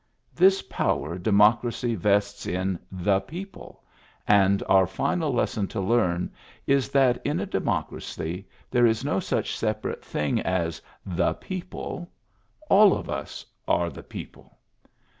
This power Democracy vests in "the people," and our final lesson to learn is that in a Democracy there is no such separate thing as "the people"; all of us are the people.